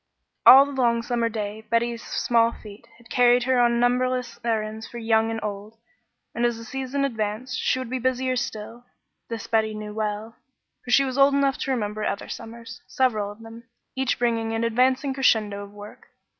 All the long summer day Betty's small feet had carried her on numberless errands for young and old, and as the season advanced she would be busier still. This Betty well knew, for she was old enough to remember other summers, several of them, each bringing an advancing crescendo of work.